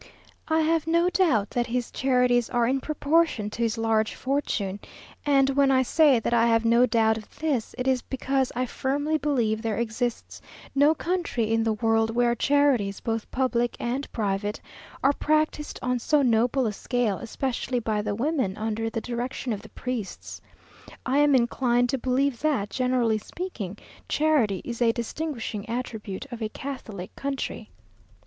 I have no doubt that his charities are in proportion to his large fortune; and when I say that I have no doubt of this, it is because I firmly believe there exists no country in the world where charities, both public and private, are practised on so noble a scale, especially by the women under the direction of the priests. I am inclined to believe that, generally speaking, charity is a distinguishing attribute of a Catholic country.